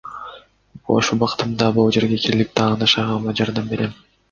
Бош убактымда бул жерге келип, тааныш агама жардам берем.